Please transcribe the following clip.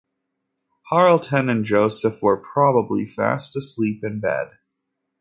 Hareton and Joseph were probably fast asleep in bed.